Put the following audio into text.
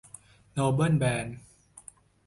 โนเบิลแบน